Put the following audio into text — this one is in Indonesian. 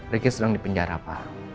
riki sedang di penjara pa